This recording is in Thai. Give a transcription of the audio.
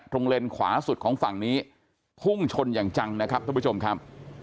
เลนขวาสุดของฝั่งนี้พุ่งชนอย่างจังนะครับท่านผู้ชมครับ